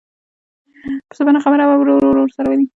بس په نه خبره ورور او ورور سره ولي.